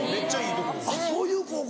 あっそういう高校。